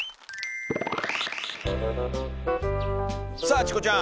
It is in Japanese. さあチコちゃん。